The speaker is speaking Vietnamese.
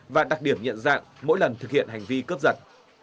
và đặc điểm nhận dạng mỗi lần thực hiện hành vi cướp giật